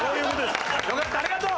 よかったありがとう！